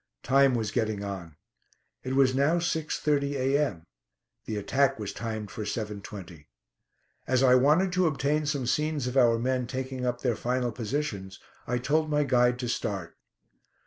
Time was getting on. It was now 6.30 a.m. The attack was timed for 7.20. As I wanted to obtain some scenes of our men taking up their final positions, I told my guide to start.